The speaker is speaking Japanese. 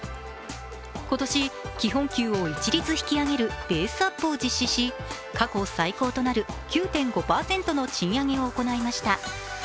今年、基本給を一律引き上げるベースアップを実施し過去最高となる９．５％の賃上げを行いました。